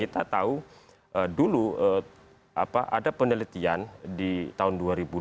kita tahu dulu ada penelitian di tahun dua ribu dua puluh